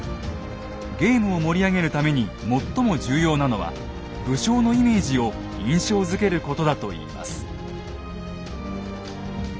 ゲームを盛り上げるために最も重要なのは武将のイメージを印象づけることだといいます。